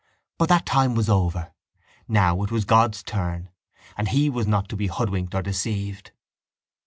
But that time was over. Now it was God's turn: and He was not to be hoodwinked or deceived.